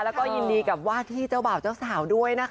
แล้วก็ยินดีกับว่าที่เจ้าบ่าวเจ้าสาวด้วยนะคะ